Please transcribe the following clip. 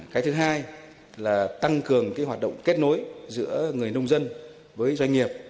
cái thứ hai là tăng cường hoạt động kết nối giữa người nông dân với doanh nghiệp